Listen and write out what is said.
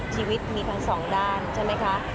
ชีวิตมีทั้งสองด้านใช่ไหมคะ